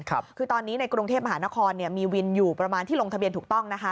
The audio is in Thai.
คือตอนนี้ในกรุงเทพมหานครมีวินอยู่ประมาณที่ลงทะเบียนถูกต้องนะคะ